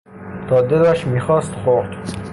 تا دلش میخواست خورد.